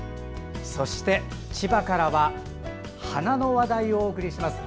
そして千葉からは花の話題をお送りします。